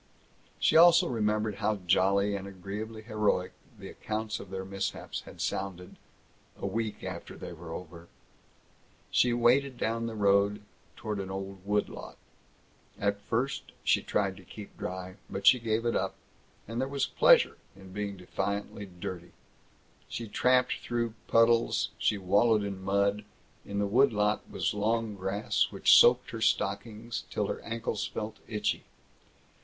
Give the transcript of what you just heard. She also remembered how jolly and agreeably heroic the accounts of their mishaps had sounded a week after they were over. She waded down the road toward an old wood lot. At first she tried to keep dry, but she gave it up, and there was pleasure in being defiantly dirty. She tramped straight through puddles; she wallowed in mud. In the wood lot was long grass which soaked her stockings till her ankles felt itchy.